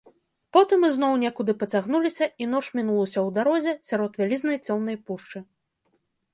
Потым ізноў некуды пацягнуліся, і ноч мінулася ў дарозе, сярод вялізнай цёмнай пушчы.